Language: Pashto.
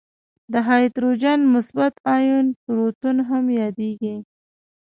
د هایدروجن مثبت آیون پروتون هم یادیږي.